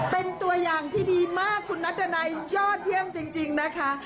เป็นตัวอย่างที่ดีมากคุณนัดดันัยยอดเยี่ยมจริงนะคะ